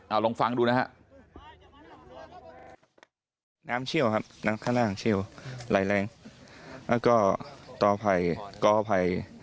เอาลองฟังดูนะฮะ